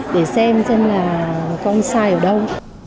để xem xem là con sai ở đâu